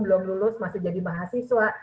belum lulus masih jadi mahasiswa